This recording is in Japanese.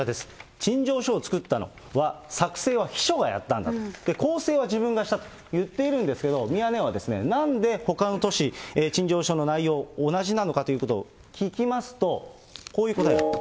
陳情書を作ったのは作成は秘書がやったんだと、校正は自分がしたと言っているんですけど、ミヤネ屋は、なんでほかの都市、陳情書の内容、同じなのかということを聞きますと、こういう答えだった。